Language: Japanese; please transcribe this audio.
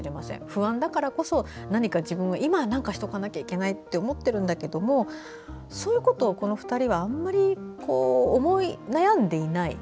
不安だからこそ何か自分も今しておかなきゃいけないって思ってるんだけれどそういうことを、この２人はあまり思い悩んでいない。